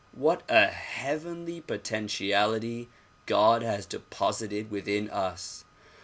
What a heavenly potentiality God has deposited within us!